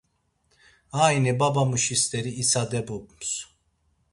Ayni babamuşi steri itsadebups.